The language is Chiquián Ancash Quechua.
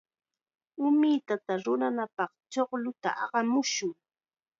Umitata ruranapaq chuqlluta aqamushun.